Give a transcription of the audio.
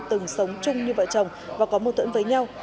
từng sống chung như vợ chồng và có mâu thuẫn với nhau